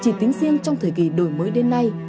chỉ tính riêng trong thời kỳ đổi mới đến nay